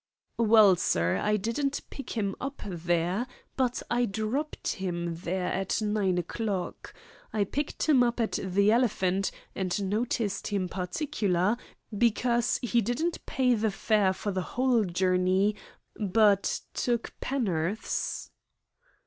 "Well, sir, I didn't pick him up there, but I dropped him there at nine o'clock. I picked him up at the Elephant, and noticed him particular because he didn't pay the fare for the whole journey, but took penn'orths."